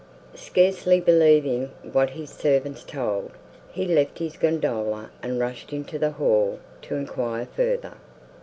Scarcely believing what his servants told, he left his gondola, and rushed into the hall to enquire further.